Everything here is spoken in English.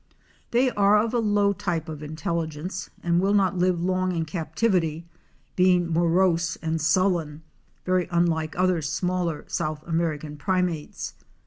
They are of a low type of intelligence and will not live long in captivity, being morose and sullen, very unlike other smaller South American primates.